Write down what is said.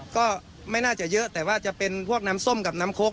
ก็ไม่น่าจะเยอะแต่ว่าจะเป็นพวกน้ำส้มกับน้ำครก